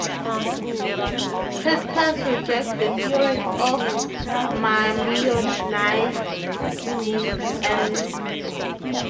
Crescas rejects the theories of Maimonides and Gersonides on this point.